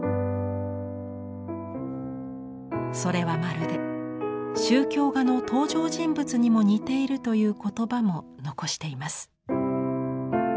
それはまるで宗教画の登場人物にも似ているという言葉も残しています。